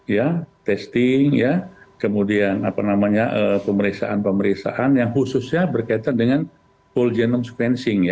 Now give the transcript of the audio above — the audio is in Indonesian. ya testing ya kemudian pemeriksaan pemeriksaan yang khususnya berkaitan dengan whole genome sequencing